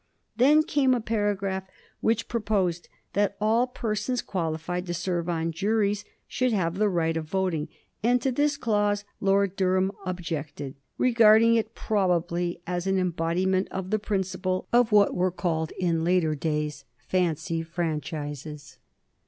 Then came a paragraph which proposed that all persons qualified to serve on juries should have the right of voting, and to this clause Lord Durham objected, regarding it probably as an embodiment of the principle of what were called in later days "fancy franchises."